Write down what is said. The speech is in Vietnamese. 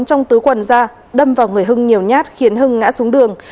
trong túi quần ra đâm vào người hưng nhiều nhát khiến hưng ngã xuống đường